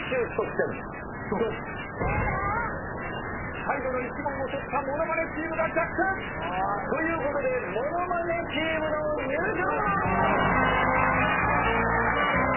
最後の１問を取ったモノマネチームが逆転！ということでモノマネチームの優勝！